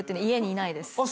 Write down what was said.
家にいないです。